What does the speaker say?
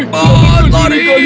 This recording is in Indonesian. cepat lari kalian